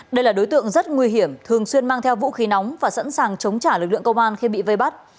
đây là đối tượng rất nguy hiểm thường xuyên mang theo vũ khí nóng và sẵn sàng chống trả lực lượng công an khi bị vây bắt